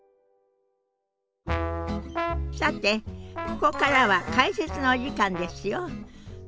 さてここからは解説のお時間ですよ。